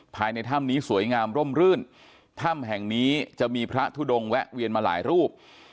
ภายในถ้ำนี้สวยงามร่มรื่นถ้ำแห่งนี้จะมีพระทุดงแวะเวียนมาหลายรูป